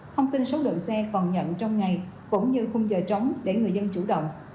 thông tin số lượng xe phòng nhận trong ngày cũng như khung giờ trống để người dân chủ động